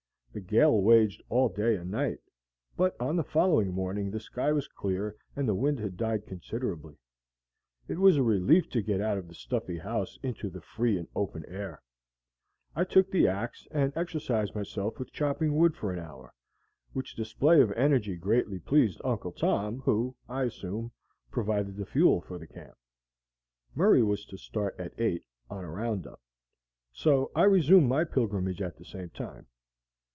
The gale waged all day and night, but on the following morning the sky was clear and the wind had died considerably. It was a relief to get out of the stuffy house into the free and open air. I took the axe and exercised myself with chopping wood for an hour, which display of energy greatly pleased Uncle Tom, who, I assumed, provided the fuel for the camp. Murray was to start at eight on a round up; so I resumed my pilgrimage at the same time.